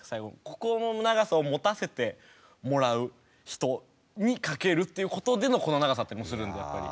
ここの長さをもたせてもらう人に書けるっていうことでのこの長さだったりもするんでやっぱり。